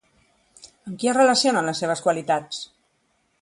Amb qui es relacionen les seves qualitats?